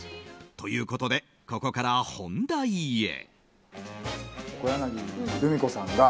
ということで、ここから本題へ。